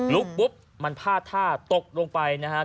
ลุกปุ๊บมันพาท่าตกลงไปนะ